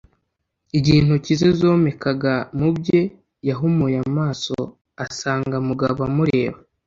Igihe intoki ze zomekaga mu bye, yahumuye amaso asanga Mugabo amureba.